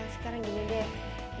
sekarang gini deh